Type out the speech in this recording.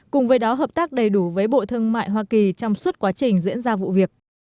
cùng với đó hợp tác đầy đủ với bộ thương mại hoa kỳ trong suốt quá trình diễn ra vụ việc